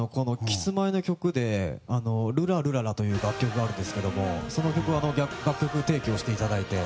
キスマイの曲で「ルラルララ」という楽曲があるんですがその曲を楽曲提供していただいて。